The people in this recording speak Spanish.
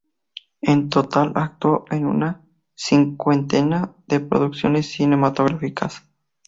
En total actuó en una cincuentena de producciones cinematográficas.